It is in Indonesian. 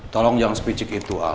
tolong jangan sepicik itu al